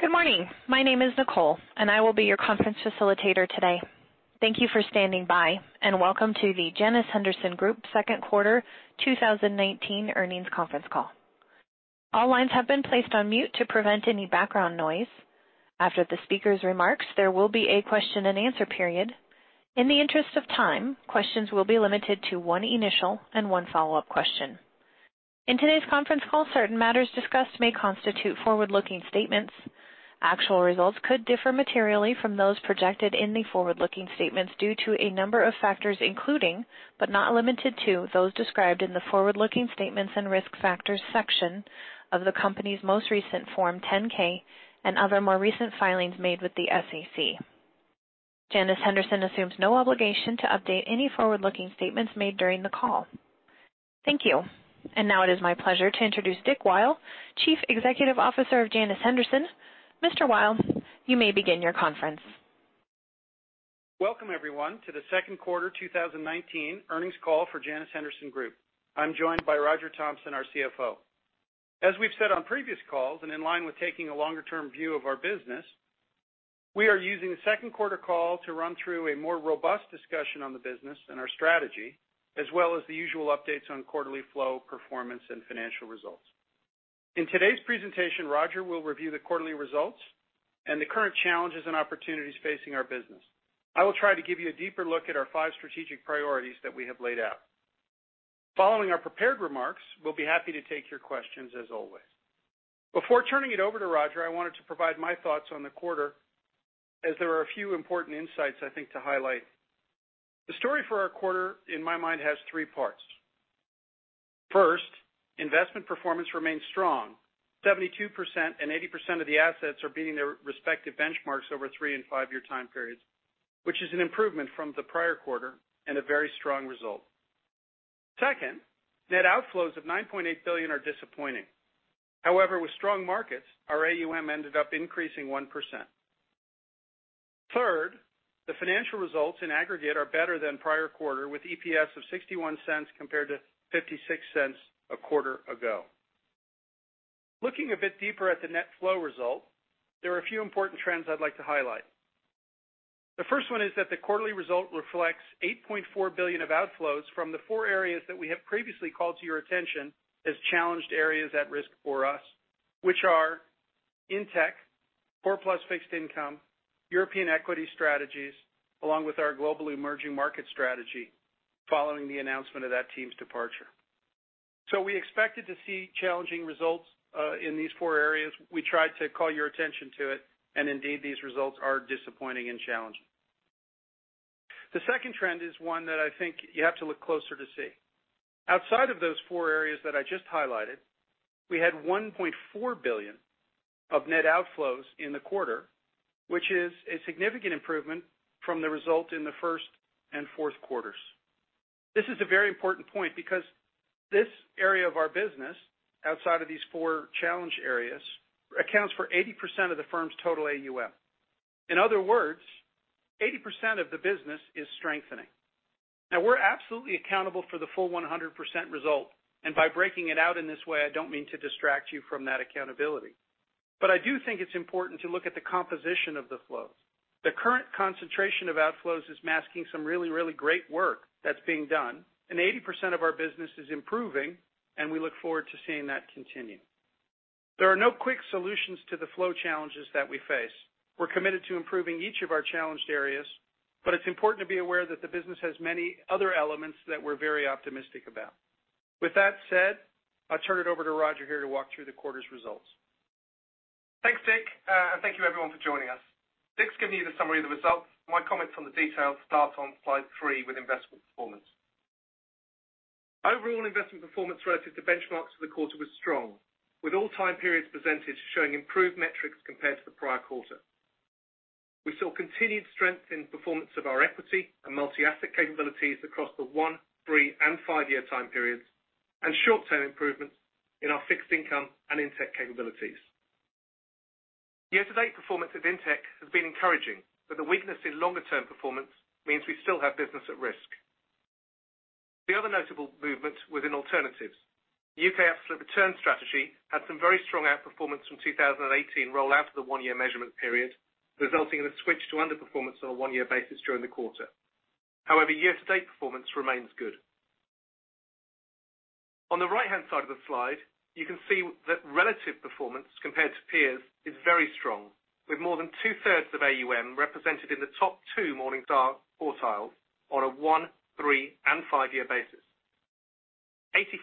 Good morning. My name is Nicole, and I will be your conference facilitator today. Thank you for standing by, and welcome to the Janus Henderson Group Second Quarter 2019 Earnings Conference Call. All lines have been placed on mute to prevent any background noise. After the speaker's remarks, there will be a question-and-answer period. In the interest of time, questions will be limited to one initial and one follow-up question. In today's conference call, certain matters discussed may constitute forward-looking statements. Actual results could differ materially from those projected in the forward-looking statements due to a number of factors, including, but not limited to, those described in the forward-looking statements and risk factors section of the company's most recent Form 10-K and other more recent filings made with the SEC. Janus Henderson assumes no obligation to update any forward-looking statements made during the call. Thank you. Now it is my pleasure to introduce Dick Weil, Chief Executive Officer of Janus Henderson. Mr. Weil, you may begin your conference. Welcome, everyone, to the second quarter 2019 earnings call for Janus Henderson Group. I'm joined by Roger Thompson, our CFO. As we've said on previous calls, and in line with taking a longer-term view of our business, we are using the second quarter call to run through a more robust discussion on the business and our strategy, as well as the usual updates on quarterly flow performance and financial results. In today's presentation, Roger will review the quarterly results and the current challenges and opportunities facing our business. I will try to give you a deeper look at our five strategic priorities that we have laid out. Following our prepared remarks, we'll be happy to take your questions as always. Before turning it over to Roger, I wanted to provide my thoughts on the quarter, as there are a few important insights I think to highlight. The story for our quarter, in my mind, has three parts. First, investment performance remains strong. 72% and 80% of the assets are beating their respective benchmarks over 3 and 5-year time periods, which is an improvement from the prior quarter and a very strong result. Second, net outflows of $9.8 billion are disappointing. With strong markets, our AUM ended up increasing 1%. Third, the financial results in aggregate are better than prior quarter, with EPS of $0.61 compared to $0.56 a quarter ago. Looking a bit deeper at the net flow result, there are a few important trends I'd like to highlight. The first one is that the quarterly result reflects $8.4 billion of outflows from the four areas that we have previously called to your attention as challenged areas at risk for us, which are INTECH, Core Plus Fixed Income, European equity strategies, along with our Global Emerging Markets strategy following the announcement of that team's departure. We expected to see challenging results in these four areas. We tried to call your attention to it, indeed, these results are disappointing and challenging. The second trend is one that I think you have to look closer to see. Outside of those four areas that I just highlighted, we had $1.4 billion of net outflows in the quarter, which is a significant improvement from the result in the first and fourth quarters. This is a very important point because this area of our business, outside of these four challenge areas, accounts for 80% of the firm's total AUM. In other words, 80% of the business is strengthening. Now, we're absolutely accountable for the full 100% result, and by breaking it out in this way, I don't mean to distract you from that accountability. I do think it's important to look at the composition of the flows. The current concentration of outflows is masking some really, really great work that's being done. 80% of our business is improving, and we look forward to seeing that continue. There are no quick solutions to the flow challenges that we face. We're committed to improving each of our challenged areas, but it's important to be aware that the business has many other elements that we're very optimistic about. With that said, I'll turn it over to Roger here to walk through the quarter's results. Thanks, Dick, and thank you, everyone, for joining us. Dick's given you the summary of the results. My comments on the details start on slide three with investment performance. Overall investment performance relative to benchmarks for the quarter was strong, with all time periods presented showing improved metrics compared to the prior quarter. We saw continued strength in performance of our equity and multi-asset capabilities across the one, three, and five-year time periods, and short-term improvements in our fixed income and INTECH capabilities. Year-to-date performance of INTECH has been encouraging, but the weakness in longer-term performance means we still have business at risk. The other notable movement within alternatives. The U.K. absolute return strategy had some very strong outperformance from 2018 roll out to the one-year measurement period, resulting in a switch to underperformance on a one-year basis during the quarter. However, year-to-date performance remains good. On the right-hand side of the slide, you can see that relative performance compared to peers is very strong, with more than two-thirds of AUM represented in the top two Morningstar quartiles on a one, three, and five-year basis.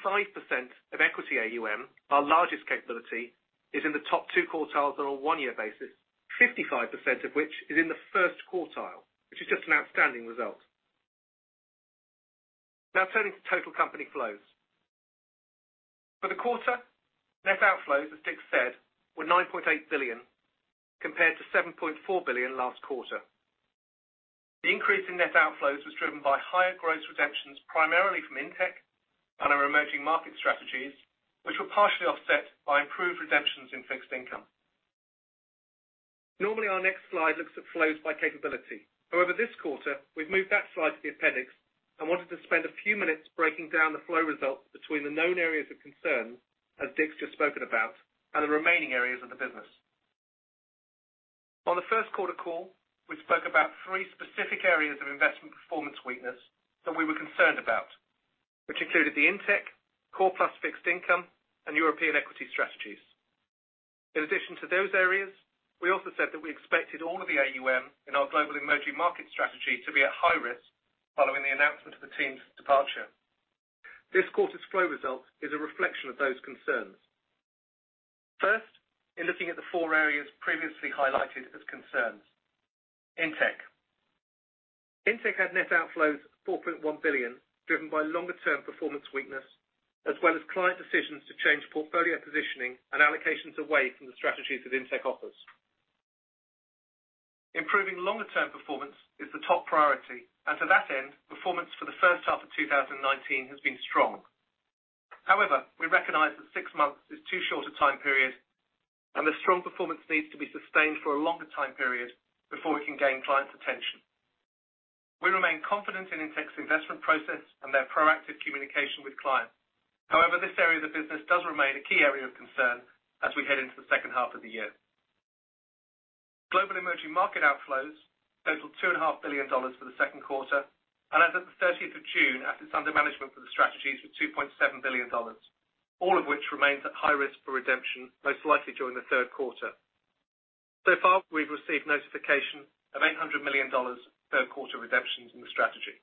85% of equity AUM, our largest capability, is in the top two quartiles on a one-year basis. 55% of which is in the first quartile, which is just an outstanding result. Turning to total company flows. For the quarter, net outflows, as Dick said, were $9.8 billion, compared to $7.4 billion last quarter. The increase in net outflows was driven by higher gross redemptions, primarily from INTECH and our emerging market strategies, which were partially offset by improved redemptions in fixed income. Our next slide looks at flows by capability. However, this quarter, we've moved that slide to the appendix and wanted to spend a few minutes breaking down the flow results between the known areas of concern, as Dick's just spoken about, and the remaining areas of the business. On the first quarter call, we spoke about three specific areas of investment performance weakness that we were concerned about, which included the INTECH, Core Plus Fixed Income, and European Equity strategies. In addition to those areas, we also said that we expected all of the AUM in our Global Emerging Markets strategy to be at high risk following the announcement of the team's departure. This quarter's flow result is a reflection of those concerns. First, in looking at the four areas previously highlighted as concerns. INTECH. INTECH had net outflows of $4.1 billion, driven by longer-term performance weakness, as well as client decisions to change portfolio positioning and allocations away from the strategies that INTECH offers. To that end, performance for the first half of 2019 has been strong. However, we recognize that six months is too short a time period, and the strong performance needs to be sustained for a longer time period before we can gain clients' attention. We remain confident in INTECH's investment process and their proactive communication with clients. However, this area of the business does remain a key area of concern as we head into the second half of the year. Global Emerging Markets outflows total $2.5 billion for the second quarter, as at the 30th of June, assets under management for the strategies were $2.7 billion, all of which remains at high risk for redemption, most likely during the third quarter. Far, we've received notification of $800 million third quarter redemptions in the strategy.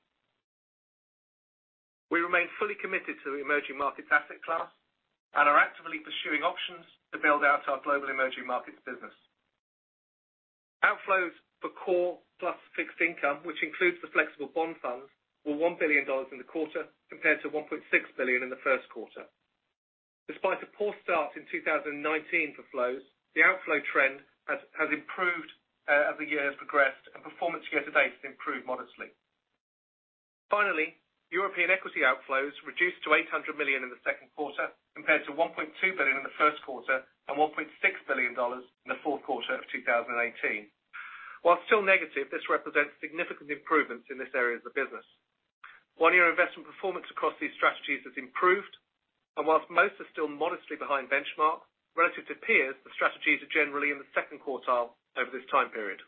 We remain fully committed to the emerging markets asset class and are actively pursuing options to build out our Global Emerging Markets business. Outflows for Core Plus Fixed Income, which includes the Flexible Bond Funds, were $1 billion in the quarter, compared to $1.6 billion in the first quarter. Despite a poor start in 2019 for flows, the outflow trend has improved as the year has progressed, and performance year-to-date has improved modestly. European equity outflows reduced to $800 million in the second quarter, compared to $1.2 billion in the first quarter and $1.6 billion in the fourth quarter of 2018. While still negative, this represents significant improvements in this area of the business. One-year investment performance across these strategies has improved, and whilst most are still modestly behind benchmark, relative to peers, the strategies are generally in the second quartile over this time period.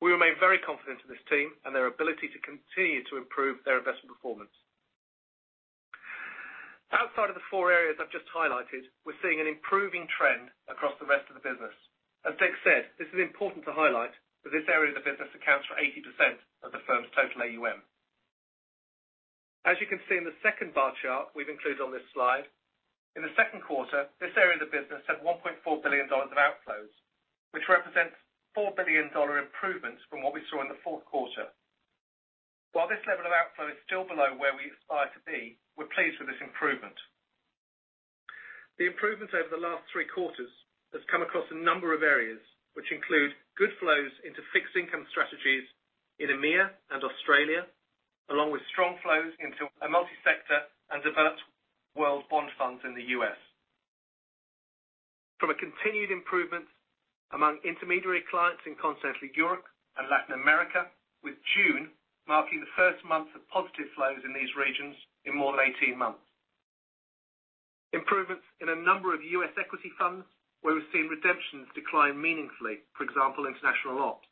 We remain very confident in this team and their ability to continue to improve their investment performance. Outside of the four areas I've just highlighted, we're seeing an improving trend across the rest of the business. As Dick said, this is important to highlight that this area of the business accounts for 80% of the firm's total AUM. As you can see in the second bar chart we've included on this slide, in the second quarter, this area of the business had $1.4 billion of outflows, which represents $4 billion improvements from what we saw in the fourth quarter. While this level of outflow is still below where we aspire to be, we're pleased with this improvement. The improvements over the last three quarters has come across a number of areas, which include good flows into fixed income strategies in EMEA and Australia, along with strong flows into a Multi-Sector Income Fund and Developed World Bond Fund in the U.S., a continued improvement among intermediary clients in Continental Europe and Latin America, with June marking the first month of positive flows in these regions in more than 18 months. Improvements in a number of U.S. equity funds where we've seen redemptions decline meaningfully, for example, International Opportunities.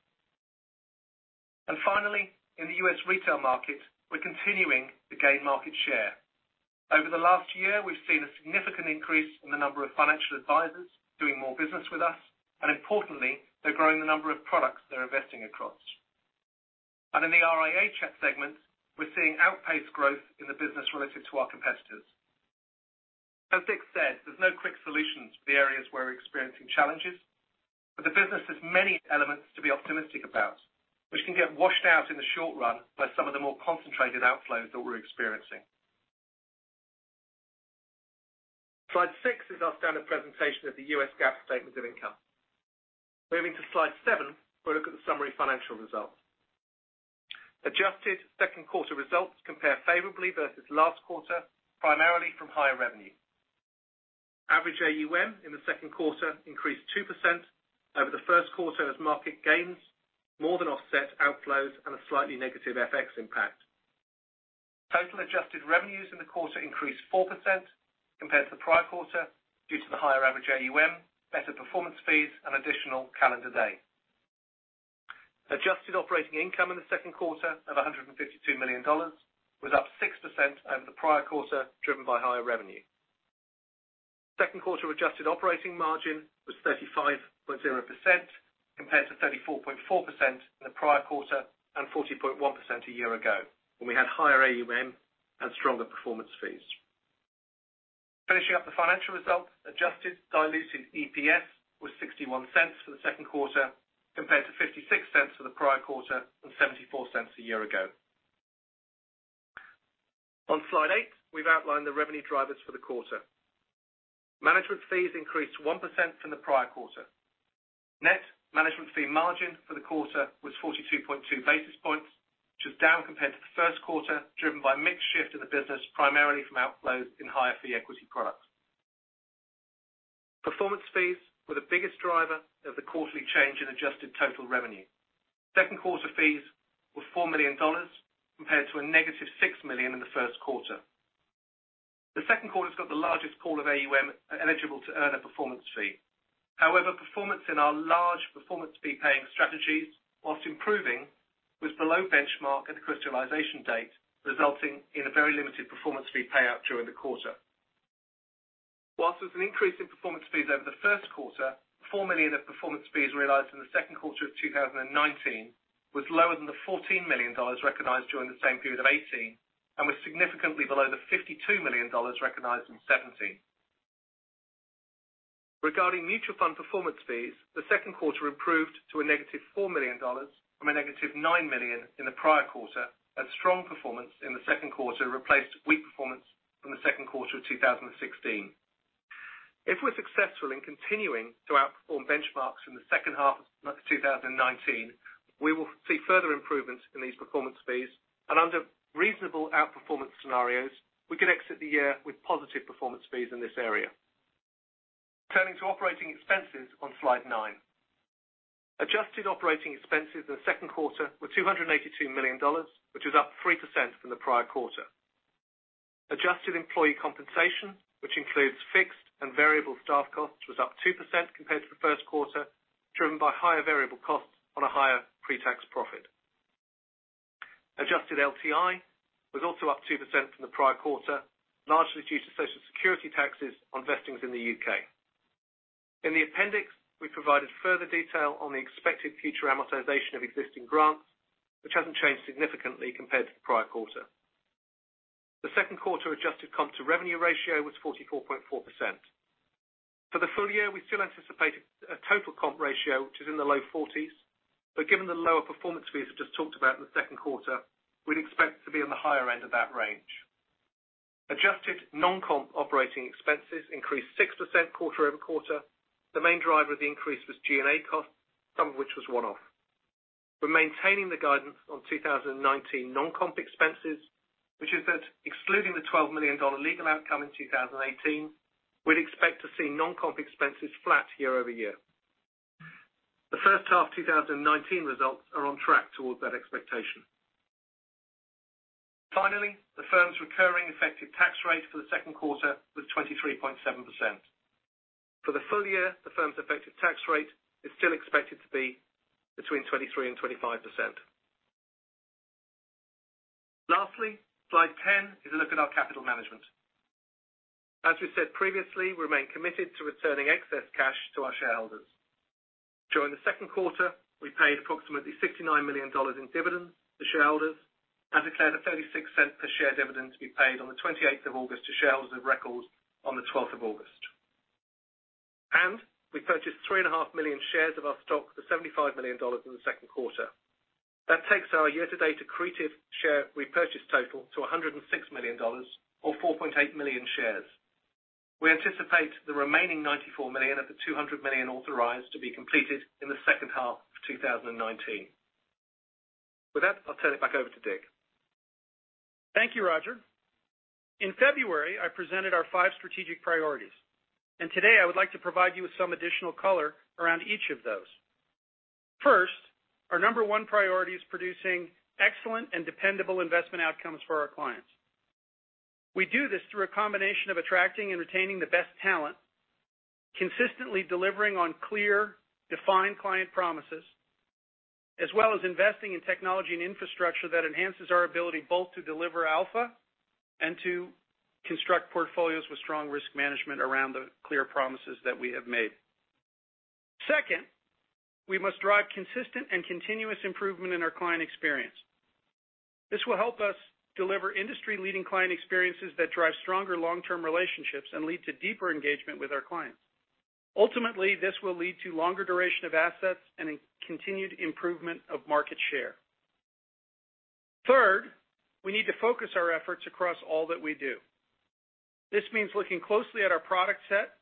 Finally, in the U.S. retail market, we're continuing to gain market share. Over the last year, we've seen a significant increase in the number of financial advisors doing more business with us, and importantly, they're growing the number of products they're investing across. In the RIA segment, we're seeing outpaced growth in the business relative to our competitors. As Dick said, there's no quick solutions for the areas where we're experiencing challenges, but the business has many elements to be optimistic about, which can get washed out in the short run by some of the more concentrated outflows that we're experiencing. Slide six is our standard presentation of the U.S. GAAP statement of income. Moving to slide seven, we'll look at the summary financial results. Adjusted second quarter results compare favorably versus last quarter, primarily from higher revenue. Average AUM in the second quarter increased 2% over the first quarter as market gains more than offset outflows and a slightly negative FX impact. Total adjusted revenues in the quarter increased 4% compared to the prior quarter due to the higher average AUM, better performance fees, and additional calendar day. Adjusted operating income in the second quarter of $152 million was up 6% over the prior quarter, driven by higher revenue. Second quarter adjusted operating margin was 35.0% compared to 34.4% in the prior quarter and 40.1% a year ago, when we had higher AUM and stronger performance fees. Finishing up the financial results, adjusted diluted EPS was $0.61 for the second quarter, compared to $0.56 for the prior quarter and $0.74 a year ago. On slide eight, we've outlined the revenue drivers for the quarter. Management fees increased 1% from the prior quarter. Net management fee margin for the quarter was 42.2 basis points. It was down compared to the first quarter, driven by a mixed shift in the business, primarily from outflows in higher fee equity products. Performance fees were the biggest driver of the quarterly change in adjusted total revenue. Second quarter fees were $4 million compared to a negative $6 million in the first quarter. The second quarter's got the largest pool of AUM eligible to earn a performance fee. Performance in our large performance fee paying strategies, whilst improving, was below benchmark at the crystallization date, resulting in a very limited performance fee payout during the quarter. Whilst there was an increase in performance fees over the first quarter, $4 million of performance fees realized in the second quarter of 2019 was lower than the $14 million recognized during the same period of 2018, and was significantly below the $52 million recognized in 2017. Regarding mutual fund performance fees, the second quarter improved to a negative $4 million from a negative $9 million in the prior quarter, as strong performance in the second quarter replaced weak performance from the second quarter of 2016. If we're successful in continuing to outperform benchmarks in the second half of 2019, we will see further improvements in these performance fees, and under reasonable outperformance scenarios, we could exit the year with positive performance fees in this area. Turning to operating expenses on slide nine. Adjusted operating expenses in the second quarter were $282 million, which was up 3% from the prior quarter. Adjusted employee compensation, which includes fixed and variable staff costs, was up 2% compared to the first quarter, driven by higher variable costs on a higher pre-tax profit. Adjusted LTI was also up 2% from the prior quarter, largely due to Social Security taxes on vestings in the U.K. In the appendix, we provided further detail on the expected future amortization of existing grants, which hasn't changed significantly compared to the prior quarter. The second quarter adjusted comp to revenue ratio was 44.4%. For the full year, we still anticipate a total comp ratio which is in the low 40s, but given the lower performance fees I just talked about in the second quarter, we'd expect to be on the higher end of that range. Adjusted non-comp operating expenses increased 6% quarter-over-quarter. The main driver of the increase was G&A cost, some of which was one-off. We're maintaining the guidance on 2019 non-comp expenses, which is that excluding the $12 million legal outcome in 2018, we'd expect to see non-comp expenses flat year-over-year. The first half 2019 results are on track towards that expectation. Finally, the firm's recurring effective tax rate for the second quarter was 23.7%. For the full year, the firm's effective tax rate is still expected to be between 23% and 25%. Lastly, slide 10 is a look at our capital management. As we've said previously, we remain committed to returning excess cash to our shareholders. During the second quarter, we paid approximately $69 million in dividends to shareholders and declared a $0.36 per share dividend to be paid on the 28th of August to shareholders of record on the 12th of August. We purchased three and a half million shares of our stock for $75 million in the second quarter. That takes our year-to-date accretive share repurchase total to $106 million or 4.8 million shares. We anticipate the remaining $94 million of the $200 million authorized to be completed in the second half of 2019. With that, I'll turn it back over to Dick. Thank you, Roger. In February, I presented our five strategic priorities. Today I would like to provide you with some additional color around each of those. First, our number 1 priority is producing excellent and dependable investment outcomes for our clients. We do this through a combination of attracting and retaining the best talent, consistently delivering on clearly defined client promises, as well as investing in technology and infrastructure that enhances our ability both to deliver alpha and to construct portfolios with strong risk management around the clear promises that we have made. Second, we must drive consistent and continuous improvement in our client experience. This will help us deliver industry-leading client experiences that drive stronger long-term relationships and lead to deeper engagement with our clients. Ultimately, this will lead to longer duration of assets and a continued improvement of market share. Third, we need to focus our efforts across all that we do. This means looking closely at our product set,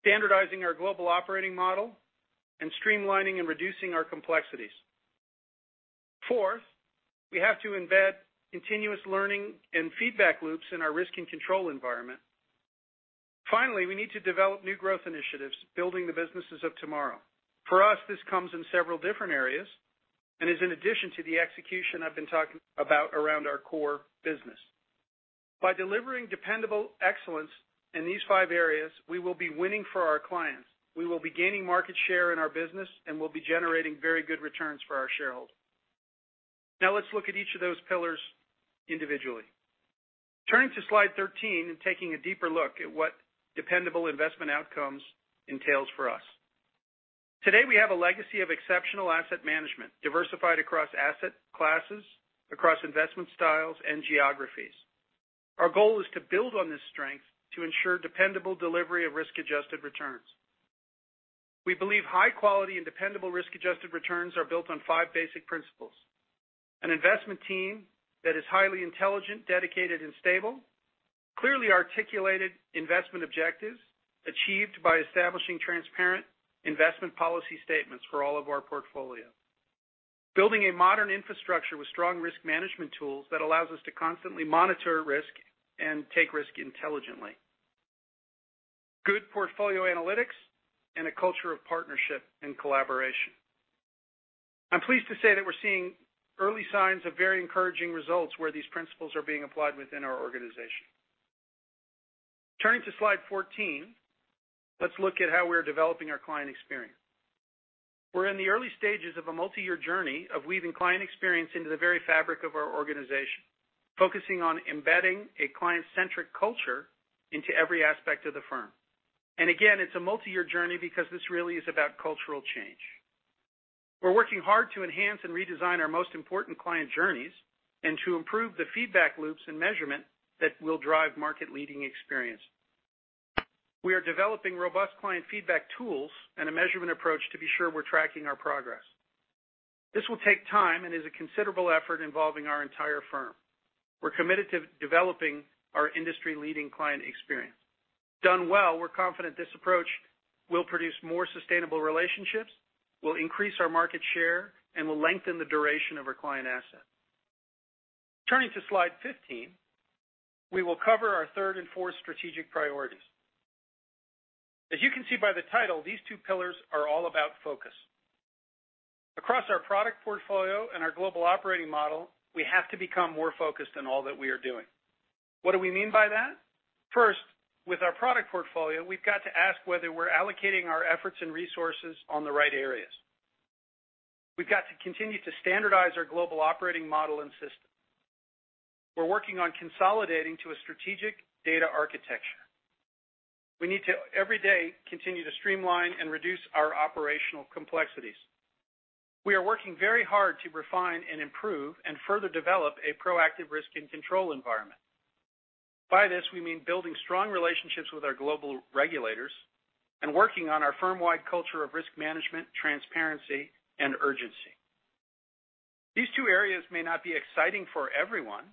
standardizing our global operating model, and streamlining and reducing our complexities. Fourth, we have to embed continuous learning and feedback loops in our risk and control environment. Finally, we need to develop new growth initiatives, building the businesses of tomorrow. For us, this comes in several different areas and is in addition to the execution I've been talking about around our core business. By delivering dependable excellence in these five areas, we will be winning for our clients. We will be gaining market share in our business, and we'll be generating very good returns for our shareholders. Let's look at each of those pillars individually. Turning to slide 13 and taking a deeper look at what dependable investment outcomes entails for us. Today, we have a legacy of exceptional asset management diversified across asset classes, across investment styles and geographies. Our goal is to build on this strength to ensure dependable delivery of risk-adjusted returns. We believe high quality and dependable risk-adjusted returns are built on five basic principles. An investment team that is highly intelligent, dedicated, and stable. Clearly articulated investment objectives achieved by establishing transparent investment policy statements for all of our portfolio. Building a modern infrastructure with strong risk management tools that allows us to constantly monitor risk and take risk intelligently. Good portfolio analytics and a culture of partnership and collaboration. I'm pleased to say that we're seeing early signs of very encouraging results where these principles are being applied within our organization. Turning to slide 14, let's look at how we're developing our client experience. We're in the early stages of a multi-year journey of weaving client experience into the very fabric of our organization, focusing on embedding a client-centric culture into every aspect of the firm. Again, it's a multi-year journey because this really is about cultural change. We're working hard to enhance and redesign our most important client journeys and to improve the feedback loops and measurement that will drive market-leading experience. We are developing robust client feedback tools and a measurement approach to be sure we're tracking our progress. This will take time and is a considerable effort involving our entire firm. We're committed to developing our industry-leading client experience. Done well, we're confident this approach will produce more sustainable relationships, will increase our market share, and will lengthen the duration of our client asset. Turning to slide 15, we will cover our third and fourth strategic priorities. As you can see by the title, these two pillars are all about focus. Across our product portfolio and our global operating model, we have to become more focused in all that we are doing. What do we mean by that? First, with our product portfolio, we've got to ask whether we're allocating our efforts and resources on the right areas. We've got to continue to standardize our global operating model and systems. We're working on consolidating to a strategic data architecture. We need to, every day, continue to streamline and reduce our operational complexities. We are working very hard to refine and improve and further develop a proactive risk and control environment. By this, we mean building strong relationships with our global regulators and working on our firm-wide culture of risk management, transparency, and urgency. These two areas may not be exciting for everyone,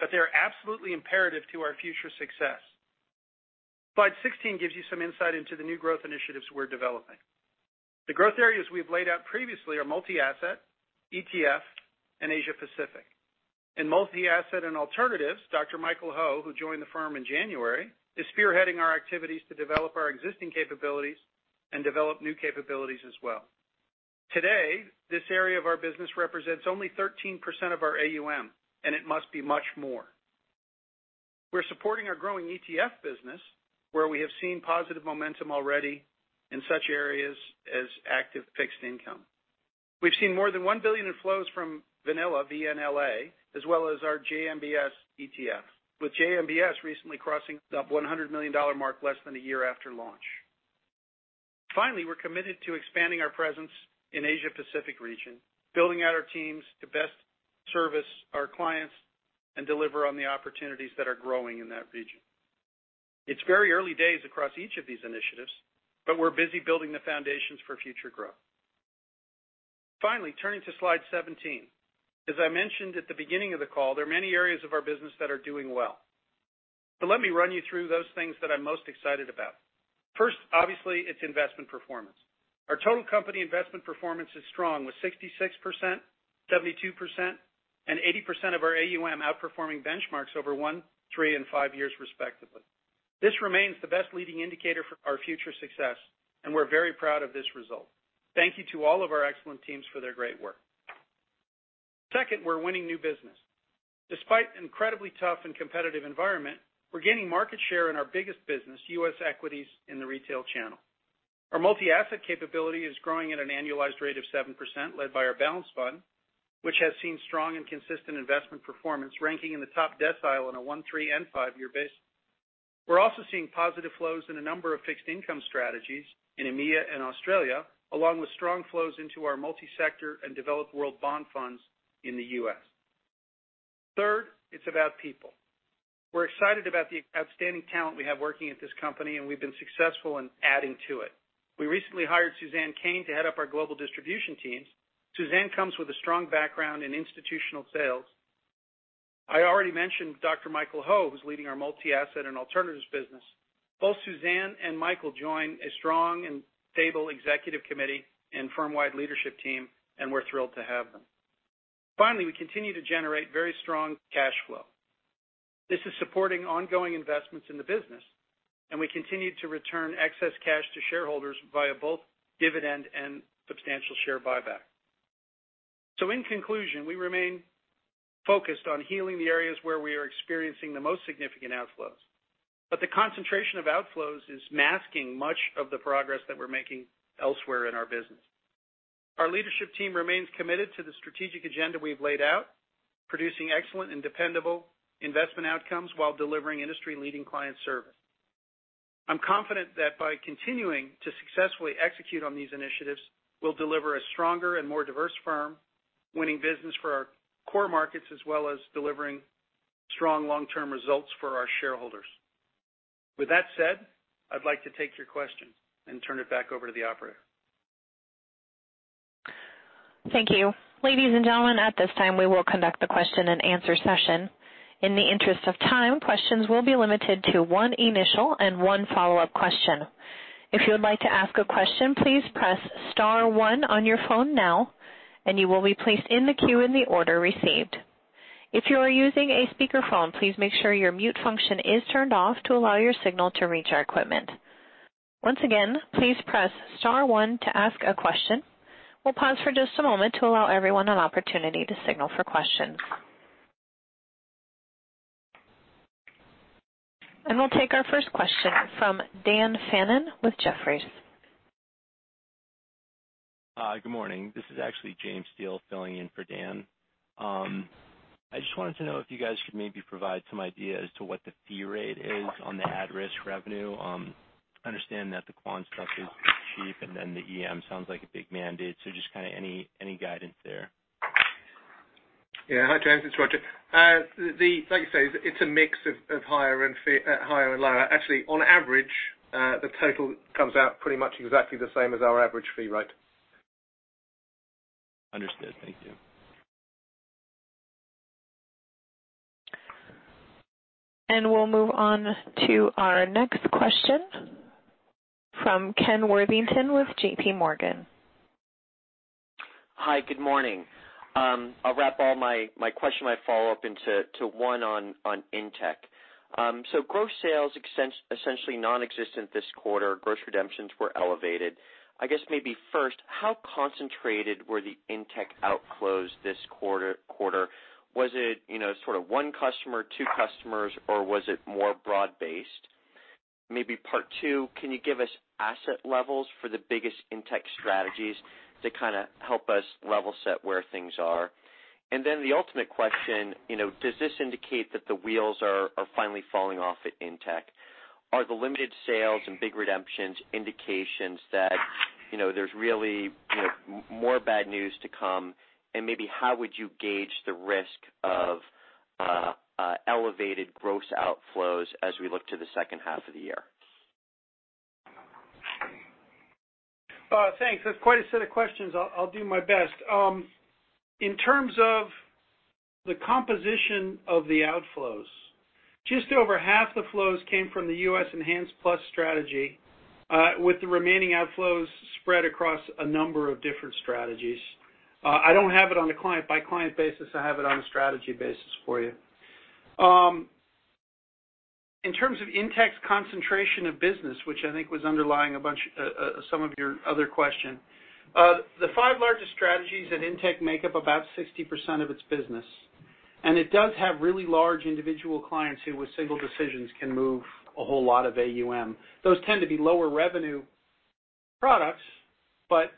but they're absolutely imperative to our future success. Slide 16 gives you some insight into the new growth initiatives we're developing. The growth areas we've laid out previously are multi-asset, ETF, and Asia Pacific. In multi-asset and alternatives, Dr. Michael Ho, who joined the firm in January, is spearheading our activities to develop our existing capabilities and develop new capabilities as well. Today, this area of our business represents only 13% of our AUM, and it must be much more. We're supporting our growing ETF business, where we have seen positive momentum already in such areas as active fixed income. We've seen more than $1 billion in flows from Vanilla], VNLA, as well as our JMBS ETF, with JMBS recently crossing the $100 million mark less than a year after launch. Finally, we're committed to expanding our presence in Asia Pacific region, building out our teams to best service our clients and deliver on the opportunities that are growing in that region. It's very early days across each of these initiatives, but we're busy building the foundations for future growth. Finally, turning to slide 17. As I mentioned at the beginning of the call, there are many areas of our business that are doing well. Let me run you through those things that I'm most excited about. First, obviously, it's investment performance. Our total company investment performance is strong, with 66%, 72%, and 80% of our AUM outperforming benchmarks over one, three, and five years respectively. This remains the best leading indicator for our future success, and we're very proud of this result. Thank you to all of our excellent teams for their great work. Second, we're winning new business. Despite incredibly tough and competitive environment, we're gaining market share in our biggest business, U.S. equities in the retail channel. Our multi-asset capability is growing at an annualized rate of 7%, led by our Balanced Fund, which has seen strong and consistent investment performance, ranking in the top decile on a one, three, and five-year basis. We're also seeing positive flows in a number of fixed income strategies in EMEA and Australia, along with strong flows into our Multi-Sector Income Fund and Developed World Bond Fund in the U.S. Third, it's about people. We're excited about the outstanding talent we have working at this company, and we've been successful in adding to it. We recently hired Suzanne Cain to head up our global distribution teams. Suzanne comes with a strong background in institutional sales. I already mentioned Dr. Michael Ho, who's leading our multi-asset and alternatives business. Suzanne and Michael join a strong and stable executive committee and firm-wide leadership team, we're thrilled to have them. Finally, we continue to generate very strong cash flow. This is supporting ongoing investments in the business, we continue to return excess cash to shareholders via both dividend and substantial share buyback. In conclusion, we remain focused on healing the areas where we are experiencing the most significant outflows. The concentration of outflows is masking much of the progress that we're making elsewhere in our business. Our leadership team remains committed to the strategic agenda we've laid out, producing excellent and dependable investment outcomes while delivering industry-leading client service. I'm confident that by continuing to successfully execute on these initiatives, we'll deliver a stronger and more diverse firm, winning business for our core markets, as well as delivering strong long-term results for our shareholders. With that said, I'd like to take your questions and turn it back over to the operator. Thank you. Ladies and gentlemen, at this time, we will conduct the question and answer session. In the interest of time, questions will be limited to one initial and one follow-up question. If you would like to ask a question, please press star one on your phone now, and you will be placed in the queue in the order received. If you are using a speakerphone, please make sure your mute function is turned off to allow your signal to reach our equipment. Once again, please press star one to ask a question. We'll pause for just a moment to allow everyone an opportunity to signal for questions. We'll take our first question from Dan Fannon with Jefferies. Hi. Good morning. This is actually James Steele filling in for Dan. I just wanted to know if you guys could maybe provide some idea as to what the fee rate is on the at-risk revenue. I understand that the quant stuff is cheap and then the EM sounds like a big mandate, so just any guidance there. Hi, James. It's Roger. Like you say, it's a mix of higher and lower. Actually, on average, the total comes out pretty much exactly the same as our average fee rate. Understood. Thank you. We'll move on to our next question from Ken Worthington with JPMorgan. Hi. Good morning. I'll wrap all my question, my follow-up into one on INTECH. Gross sales essentially nonexistent this quarter. Gross redemptions were elevated. I guess maybe first, how concentrated were the INTECH outflows this quarter? Was it one customer, two customers, or was it more broad-based? Maybe part two, can you give us asset levels for the biggest INTECH strategies to help us level set where things are? The ultimate question, does this indicate that the wheels are finally falling off at INTECH? Are the limited sales and big redemptions indications that there's really more bad news to come? Maybe how would you gauge the risk of elevated gross outflows as we look to the second half of the year? Thanks. That's quite a set of questions. I'll do my best. In terms of the composition of the outflows, just over half the flows came from the U.S. Equity Enhanced Income ETF, with the remaining outflows spread across a number of different strategies. I don't have it on a client-by-client basis. I have it on a strategy basis for you. In terms of INTECH's concentration of business, which I think was underlying some of your other question, the five largest strategies at INTECH make up about 60% of its business, and it does have really large individual clients who, with single decisions, can move a whole lot of AUM. Those tend to be lower revenue products, but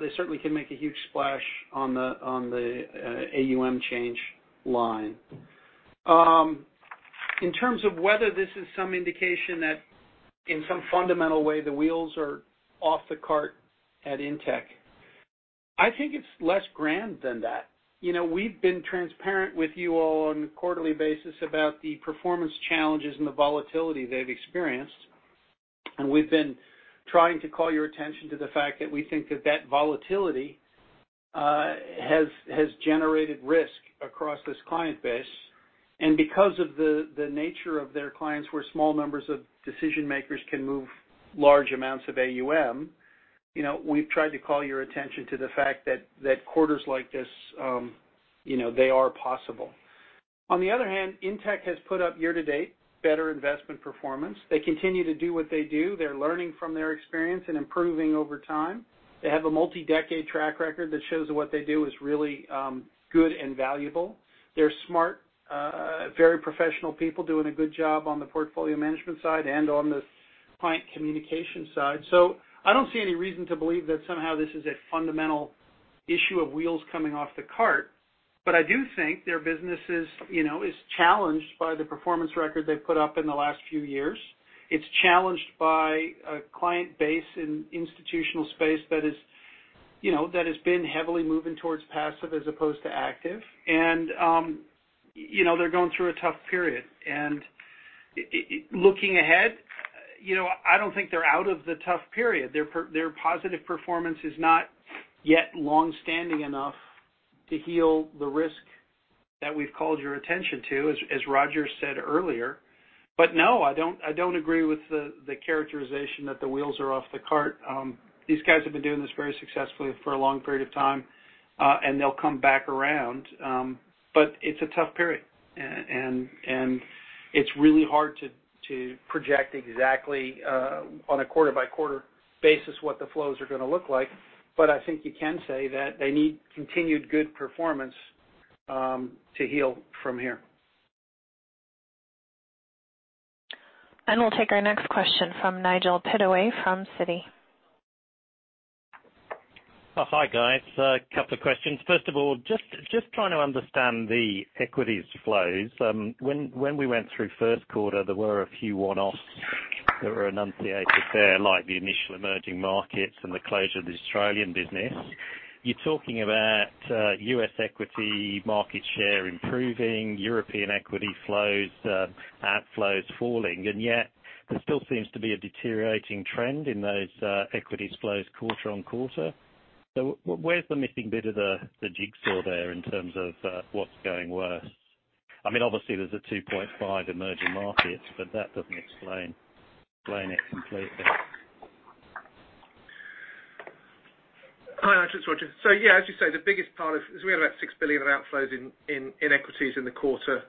they certainly can make a huge splash on the AUM change line. In terms of whether this is some indication that in some fundamental way, the wheels are off the cart at INTECH, I think it's less grand than that. We've been transparent with you all on a quarterly basis about the performance challenges and the volatility they've experienced, and we've been trying to call your attention to the fact that we think that that volatility has generated risk across this client base. Because of the nature of their clients, where small numbers of decision-makers can move large amounts of AUM, we've tried to call your attention to the fact that quarters like this are possible. On the other hand, INTECH has put up year-to-date better investment performance. They continue to do what they do. They're learning from their experience and improving over time. They have a multi-decade track record that shows that what they do is really good and valuable. They're smart, very professional people doing a good job on the portfolio management side and on the client communication side. I don't see any reason to believe that somehow this is a fundamental issue of wheels coming off the cart. I do think their business is challenged by the performance record they've put up in the last few years. It's challenged by a client base in institutional space that has been heavily moving towards passive as opposed to active. They're going through a tough period. Looking ahead, I don't think they're out of the tough period. Their positive performance is not yet long-standing enough to heal the risk that we've called your attention to, as Roger said earlier. No, I don't agree with the characterization that the wheels are off the cart. These guys have been doing this very successfully for a long period of time. They'll come back around. It's a tough period, and it's really hard to project exactly on a quarter-by-quarter basis what the flows are going to look like. I think you can say that they need continued good performance to heal from here. We'll take our next question from Nigel Pittaway from Citi. Hi, guys. A couple of questions. First of all, just trying to understand the equities flows. When we went through first quarter, there were a few one-offs that were enunciated there, like the initial Global Emerging Markets and the closure of the Australian business. You're talking about U.S. equity market share improving, European equity outflows falling, yet there still seems to be a deteriorating trend in those equities flows quarter-on-quarter. Where's the missing bit of the jigsaw there in terms of what's going worse? Obviously, there's a $2.5 GEMs, that doesn't explain it completely. Hi, it's Roger. Yeah, as you say, the biggest part is we had about $6 billion of outflows in equities in the quarter,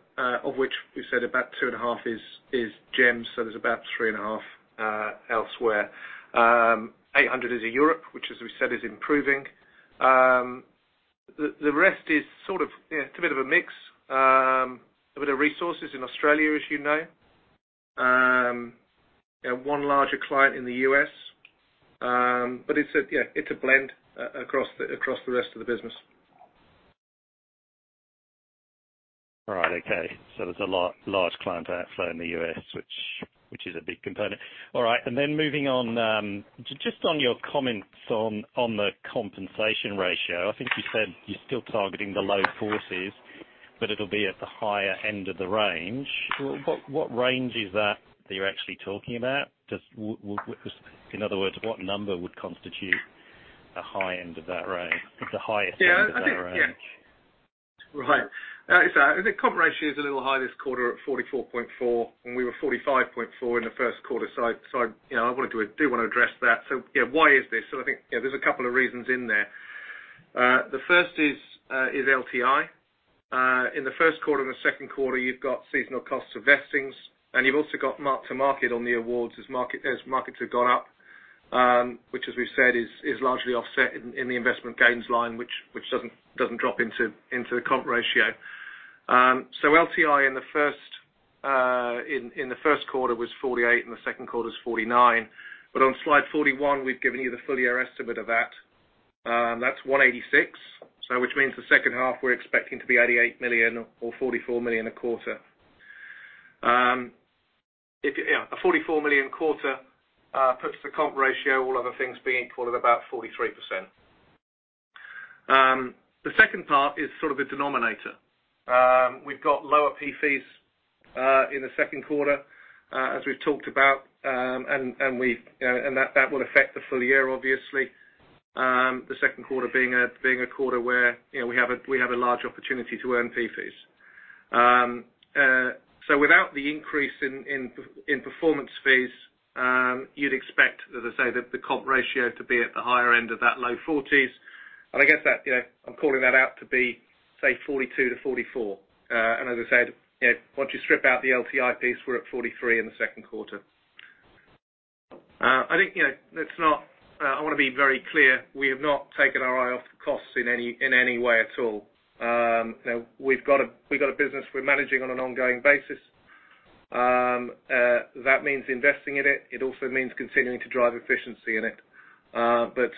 of which we said about $2.5 billion is GEMs. There's about $3.5 billion elsewhere. $800 million is in Europe, which, as we said, is improving. The rest is a bit of a mix. A bit of resources in Australia, as you know. One larger client in the U.S. It's a blend across the rest of the business. All right. Okay. There's a large client outflow in the U.S., which is a big component. All right. Moving on, just on your comments on the compensation ratio, I think you said you're still targeting the low 40s, but it'll be at the higher end of the range. What range is that that you're actually talking about? In other words, what number would constitute the high end of that range? The highest end of that range? Yeah. Right. The comp ratio is a little high this quarter at 44.4%, and we were 45.4% in the first quarter. I do want to address that. Why is this? I think there's a couple of reasons in there. The first is LTI. In the first quarter and the second quarter, you've got seasonal costs of vestings, and you've also got mark-to-market on the awards as markets have gone up, which as we've said, is largely offset in the investment gains line, which doesn't drop into the comp ratio. LTI in the first quarter was $48 million, and the second quarter is $49 million. On slide 41, we've given you the full-year estimate of that. That's $186 million. Which means the second half, we're expecting to be $88 million or $44 million a quarter. A $44 million quarter puts the comp ratio, all other things being equal at about 43%. The second part is the denominator. We've got lower fee fees in the second quarter, as we've talked about. That will affect the full year, obviously. The second quarter being a quarter where we have a large opportunity to earn fee fees. Without the increase in performance fees, you'd expect, as I say, the comp ratio to be at the higher end of that low 40s. I guess I'm calling that out to be, say, 42-44. As I said, once you strip out the LTI piece, we're at 43 in the second quarter. I want to be very clear. We have not taken our eye off the costs in any way at all. We've got a business we're managing on an ongoing basis. That means investing in it. It also means continuing to drive efficiency in it. That's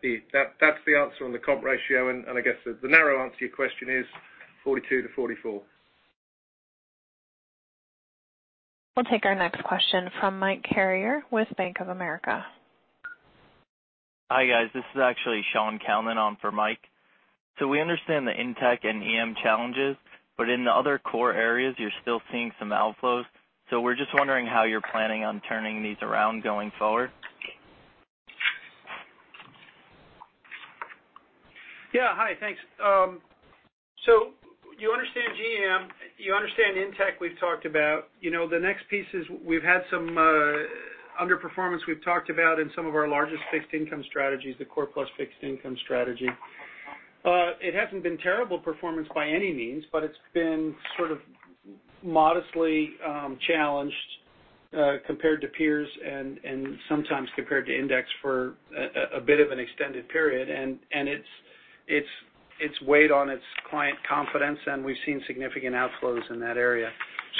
the answer on the comp ratio, and I guess the narrow answer to your question is 42%-44%. We'll take our next question from Mike Carrier with Bank of America. Hi, guys. This is actually Sean Colman on for Mike. We understand the INTECH and EM challenges, but in the other core areas, you're still seeing some outflows. We're just wondering how you're planning on turning these around going forward. Yeah. Hi, thanks. You understand GEM, you understand INTECH we've talked about. The next piece is we've had some underperformance we've talked about in some of our largest fixed income strategies, the Core Plus Fixed Income strategy. It hasn't been terrible performance by any means, but it's been modestly challenged compared to peers and sometimes compared to index for a bit of an extended period. It's weighed on its client confidence, and we've seen significant outflows in that area.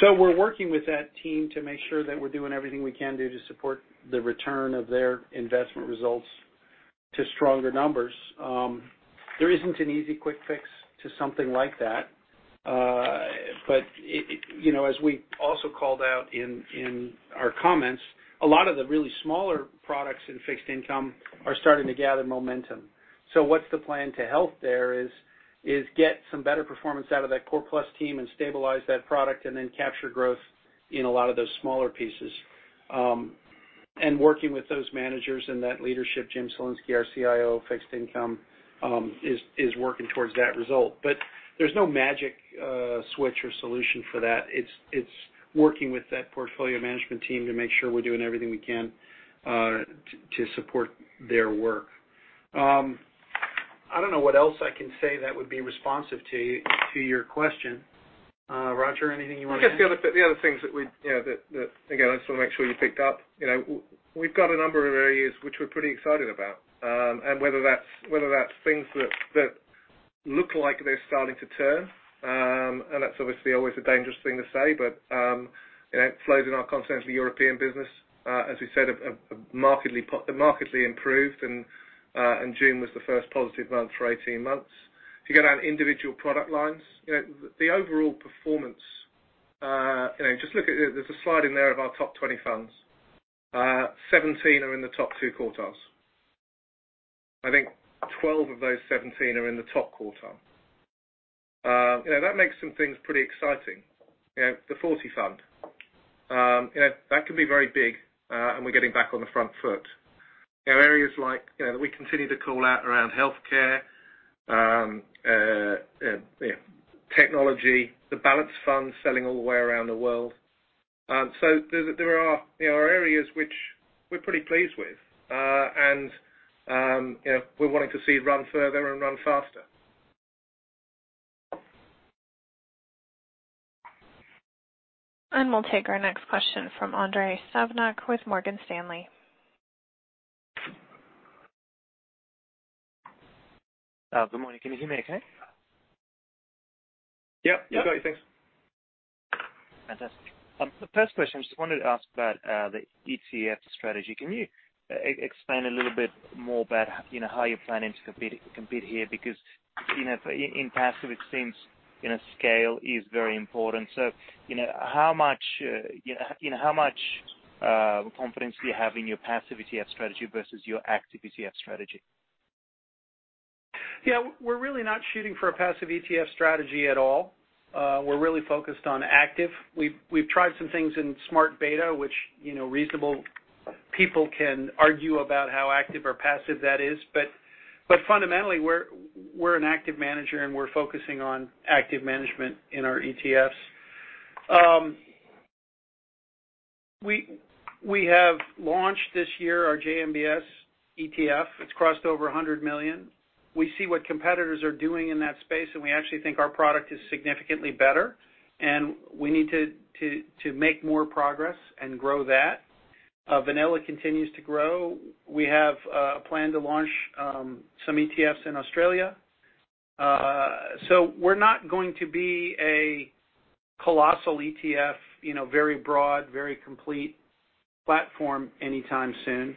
We're working with that team to make sure that we're doing everything we can do to support the return of their investment results to stronger numbers. There isn't an easy quick fix to something like that. As we also called out in our comments, a lot of the really smaller products in fixed income are starting to gather momentum. What's the plan to help there is get some better performance out of that Core Plus team and stabilize that product and then capture growth in a lot of those smaller pieces. Working with those managers and that leadership, Jim Cielinski, our CIO of fixed income, is working towards that result. There's no magic switch or solution for that. It's working with that portfolio management team to make sure we're doing everything we can to support their work. I don't know what else I can say that would be responsive to your question. Roger, anything you want to add? I guess the other things that, again, I just want to make sure you picked up. We've got a number of areas which we're pretty excited about, and whether that's things that look like they're starting to turn, and that's obviously always a dangerous thing to say, but outflows in our Continental European business, as we said, have markedly improved, and June was the first positive month for 18 months. If you go down individual product lines, the overall performance, there's a slide in there of our top 20 funds. 17 are in the top two quartiles. 12 of those 17 are in the top quarter. That makes some things pretty exciting. The Forty Fund. That can be very big, and we're getting back on the front foot. Areas that we continue to call out around healthcare, technology, the Balanced Fund selling all the way around the world. There are areas which we're pretty pleased with, and we're wanting to see it run further and run faster. We'll take our next question from Andrei Stadnik with Morgan Stanley. Good morning. Can you hear me okay? Yeah. We've got you, thanks. Fantastic. The first question, just wanted to ask about the ETF strategy. Can you explain a little bit more about how you're planning to compete here? In passive exchange, scale is very important. How much confidence do you have in your passive ETF strategy versus your active ETF strategy? We're really not shooting for a passive ETF strategy at all. We're really focused on active. We've tried some things in smart beta, which reasonable people can argue about how active or passive that is, but fundamentally, we're an active manager, and we're focusing on active management in our ETFs. We have launched this year our JMBS ETF. It's crossed over $100 million. We see what competitors are doing in that space, and we actually think our product is significantly better, and we need to make more progress and grow that. VNLA continues to grow. We have a plan to launch some ETFs in Australia. We're not going to be a colossal ETF, very broad, very complete platform anytime soon.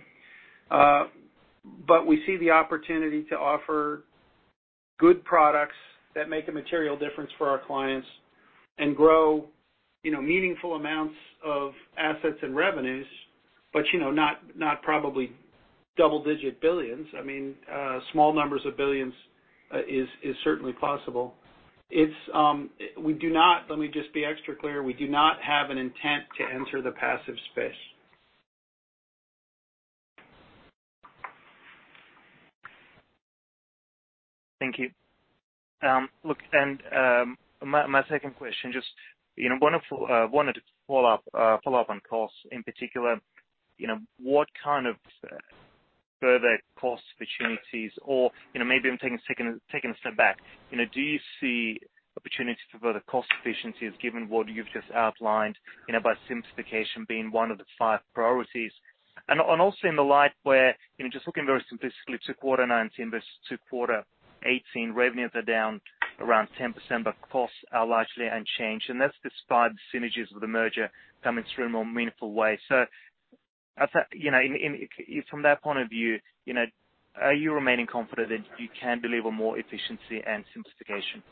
We see the opportunity to offer good products that make a material difference for our clients and grow meaningful amounts of assets and revenues, but not probably double-digit billions. Small numbers of billions is certainly possible. Let me just be extra clear. We do not have an intent to enter the passive space. Thank you. Look, my second question, just wanted to follow up on costs in particular. What kind of further cost opportunities, or maybe I'm taking a step back. Do you see opportunities for further cost efficiencies given what you've just outlined about simplification being one of the five priorities? Also in the light where, just looking very simplistically at second quarter 2019 versus second quarter 2018, revenues are down around 10%, but costs are largely unchanged. That's despite the synergies of the merger coming through in a more meaningful way. From that point of view, are you remaining confident that you can deliver more efficiency and simplification?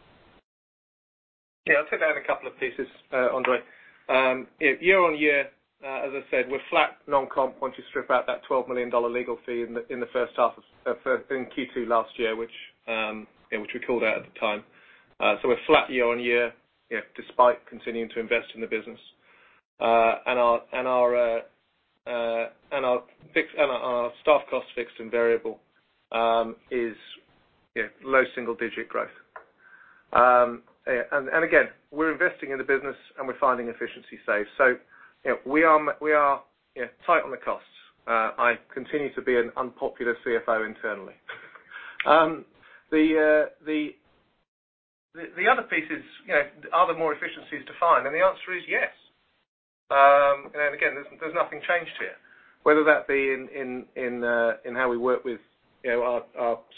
I'll take that in a couple of pieces, Andrei Stadnik. Year on year, as I said, we're flat non-comp once you strip out that $12 million legal fee in Q2 last year, which we called out at the time. We're flat year on year despite continuing to invest in the business. Our staff cost fixed and variable is low single-digit growth. Again, we're investing in the business, and we're finding efficiency saves. We are tight on the costs. I continue to be an unpopular CFO internally. The other piece is, are there more efficiencies to find? The answer is yes. Again, there's nothing changed here. Whether that be in how we work with our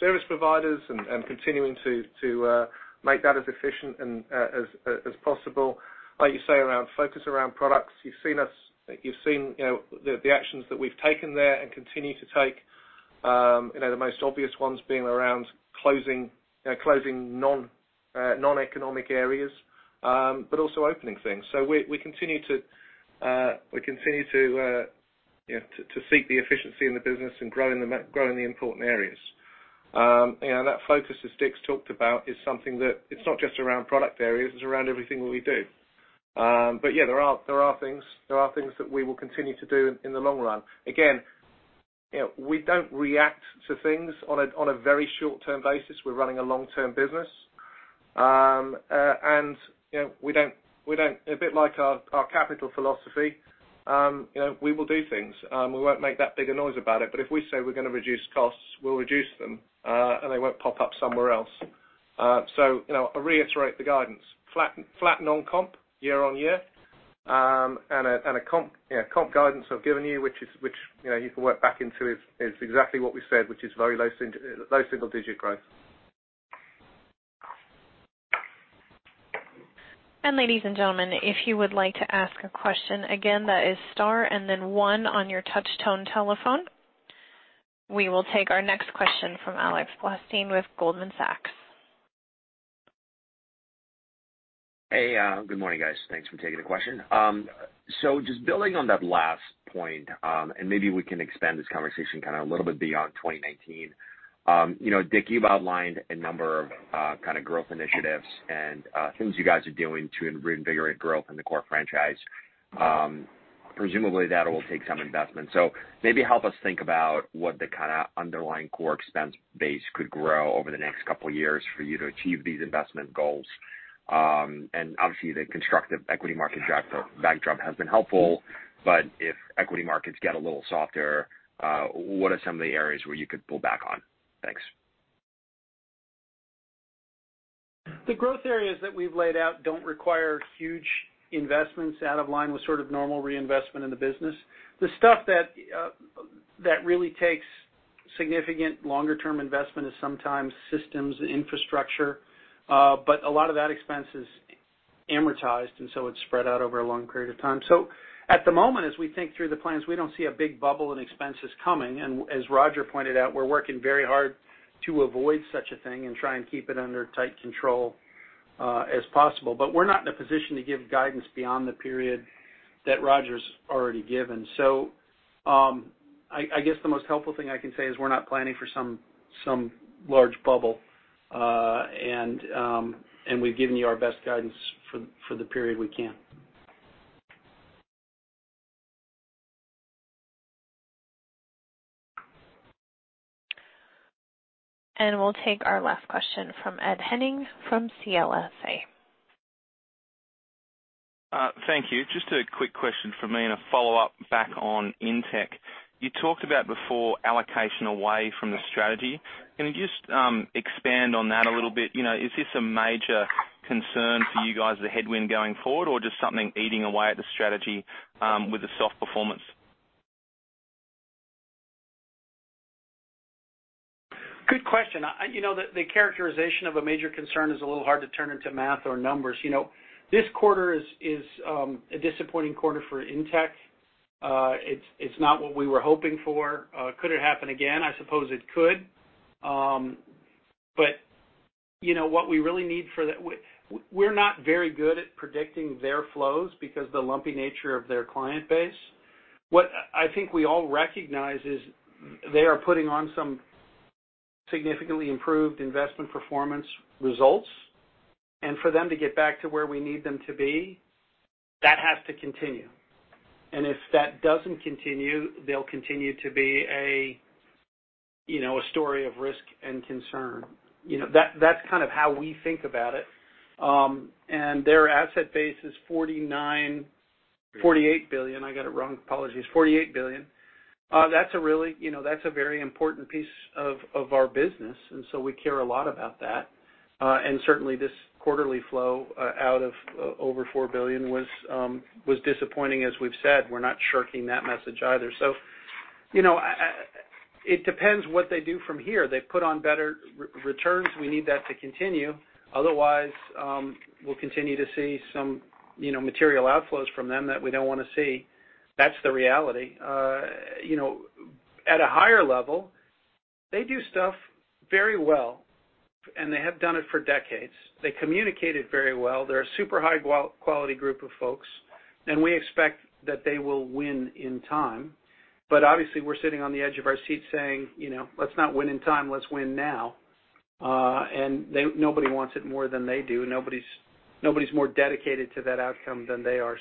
service providers and continuing to make that as efficient as possible. Like you say, around focus around products. You've seen the actions that we've taken there and continue to take. The most obvious ones being around closing non-economic areas, but also opening things. We continue to seek the efficiency in the business and grow in the important areas. That focus, as Dick's talked about, is something that it's not just around product areas, it's around everything that we do. Yeah, there are things that we will continue to do in the long run. Again, we don't react to things on a very short-term basis. We're running a long-term business. A bit like our capital philosophy, we will do things. We won't make that big a noise about it, but if we say we're going to reduce costs, we'll reduce them, and they won't pop up somewhere else. I reiterate the guidance. Flat non-comp year-on-year. A comp guidance I've given you, which you can work back into, is exactly what we said, which is very low single-digit growth. Ladies and gentlemen, if you would like to ask a question, again, that is star and then one on your touch-tone telephone. We will take our next question from Alex Blostein with Goldman Sachs. Hey, good morning, guys. Thanks for taking the question. Just building on that last point, and maybe we can expand this conversation a little bit beyond 2019. Dick, you've outlined a number of growth initiatives and things you guys are doing to reinvigorate growth in the core franchise. Presumably that will take some investment. Maybe help us think about what the underlying core expense base could grow over the next couple of years for you to achieve these investment goals. Obviously the constructive equity market backdrop has been helpful, but if equity markets get a little softer, what are some of the areas where you could pull back on? Thanks. The growth areas that we've laid out don't require huge investments out of line with sort of normal reinvestment in the business. The stuff that really takes significant longer-term investment is sometimes systems infrastructure. A lot of that expense is amortized, and so it's spread out over a long period of time. At the moment, as we think through the plans, we don't see a big bubble in expenses coming. As Roger pointed out, we're working very hard to avoid such a thing and try and keep it under tight control as possible. We're not in a position to give guidance beyond the period that Roger's already given. I guess the most helpful thing I can say is we're not planning for some large bubble. We've given you our best guidance for the period we can. We'll take our last question from Ed Henning from CLSA. Thank you. Just a quick question from me and a follow-up back on INTECH. You talked about before allocation away from the strategy. Can you just expand on that a little bit? Is this a major concern for you guys as a headwind going forward or just something eating away at the strategy with the soft performance? Good question. The characterization of a major concern is a little hard to turn into math or numbers. This quarter is a disappointing quarter for INTECH. It's not what we were hoping for. Could it happen again? I suppose it could. We're not very good at predicting their flows because the lumpy nature of their client base. What I think we all recognize is they are putting on some significantly improved investment performance results. For them to get back to where we need them to be, that has to continue. If that doesn't continue, they'll continue to be a story of risk and concern. That's kind of how we think about it. Their asset base is $49 billion, $48 billion. I got it wrong. Apologies. $48 billion. That's a very important piece of our business, and so we care a lot about that. Certainly this quarterly flow out of over $4 billion was disappointing as we've said. We're not shirking that message either. It depends what they do from here. They've put on better returns. We need that to continue. Otherwise, we'll continue to see some material outflows from them that we don't want to see. That's the reality. At a higher level, they do stuff very well, and they have done it for decades. They communicated very well. They're a super high-quality group of folks, and we expect that they will win in time. Obviously we're sitting on the edge of our seats saying, "Let's not win in time, let's win now." Nobody wants it more than they do. Nobody's more dedicated to that outcome than they are.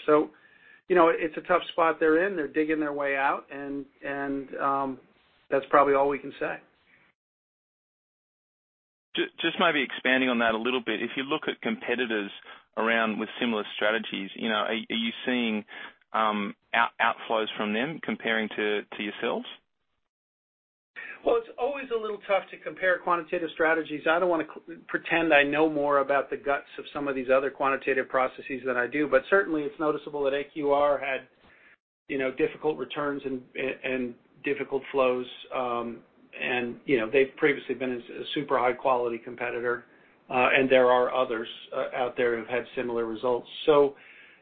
It's a tough spot they're in. They're digging their way out, and that's probably all we can say. Just maybe expanding on that a little bit. If you look at competitors around with similar strategies, are you seeing outflows from them comparing to yourselves? Well, it's always a little tough to compare quantitative strategies. I don't want to pretend I know more about the guts of some of these other quantitative processes than I do. Certainly it's noticeable that AQR had difficult returns and difficult flows, and they've previously been a super high-quality competitor. There are others out there who've had similar results.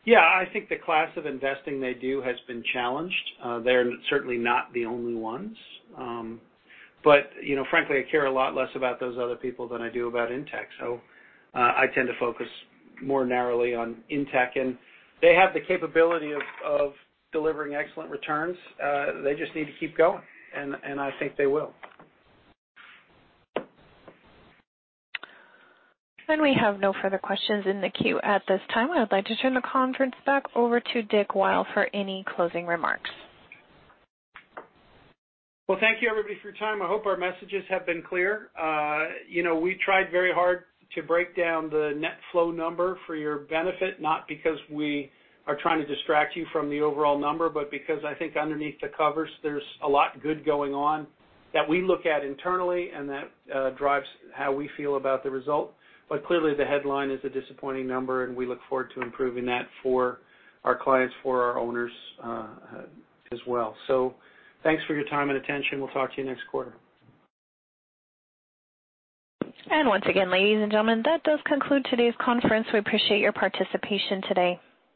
Yeah, I think the class of investing they do has been challenged. They're certainly not the only ones. Frankly, I care a lot less about those other people than I do about INTECH. I tend to focus more narrowly on INTECH. They have the capability of delivering excellent returns. They just need to keep going, and I think they will. We have no further questions in the queue at this time. I'd like to turn the conference back over to Dick Weil for any closing remarks. Well, thank you everybody for your time. I hope our messages have been clear. We tried very hard to break down the net flow number for your benefit, not because we are trying to distract you from the overall number, but because I think underneath the covers there's a lot good going on that we look at internally and that drives how we feel about the result. Clearly the headline is a disappointing number and we look forward to improving that for our clients, for our owners as well. Thanks for your time and attention. We'll talk to you next quarter. Once again, ladies and gentlemen, that does conclude today's conference. We appreciate your participation today.